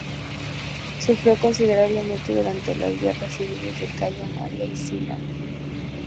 Sufrió considerablemente durante las guerras civiles de Cayo Mario y Sila.